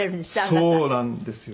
そうなんですよ。